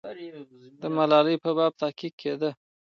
د ملالۍ په باب تحقیق کېده.